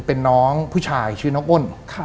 เป็นน้องผู้ชายชื่อน้องอ้น